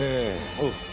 おう。